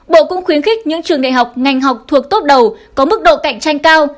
bộ cũng khuyến khích những trường đại học ngành học thuộc tốt đầu có mức độ cạnh tranh cao